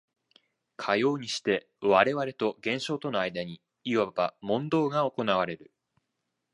かようにして我々と現象との間にいわば問答が行われる。